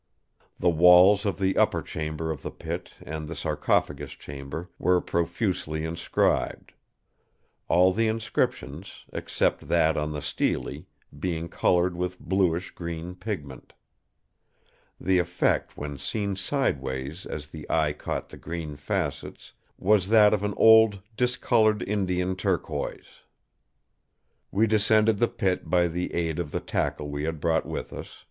"The walls of the upper chamber of the Pit and the sarcophagus Chamber were profusely inscribed; all the inscriptions, except that on the Stele, being coloured with bluish green pigment. The effect when seen sideways as the eye caught the green facets, was that of an old, discoloured Indian turquoise. "We descended the Pit by the aid of the tackle we had brought with us.